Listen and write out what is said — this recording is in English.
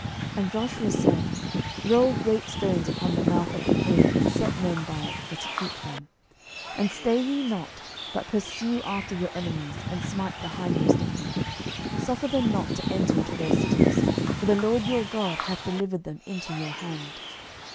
06:010:018 And Joshua said, Roll great stones upon the mouth of the cave, and set men by it for to keep them: 06:010:019 And stay ye not, but pursue after your enemies, and smite the hindmost of them; suffer them not to enter into their cities: for the LORD your God hath delivered them into your hand.